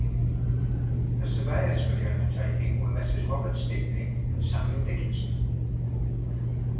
The surveyors for the undertaking were Messrs. Robert Stickney and Samuel Dickinson.